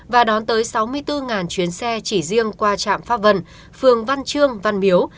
và đón tới sáu mươi bốn chuyến xe chỉ riêng qua trạm pháp vân phường văn trương văn miếu